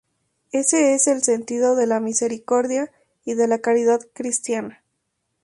Ese es el sentido de la misericordia y de la caridad cristianas.